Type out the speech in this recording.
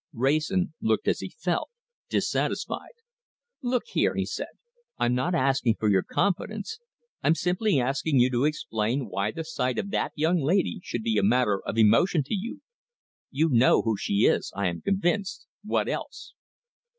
Wrayson looked as he felt, dissatisfied. "Look here," he said, "I'm not asking for your confidence. I'm simply asking you to explain why the sight of that young lady should be a matter of emotion to you. You know who she is, I am convinced. What else?"